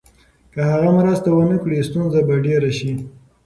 که هغه مرسته ونکړي، ستونزه به ډېره شي.